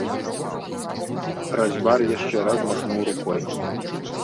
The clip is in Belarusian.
Разьбяр яшчэ раз махнуў рукой.